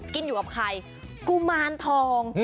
กินอยู่กับใครกุมารทอง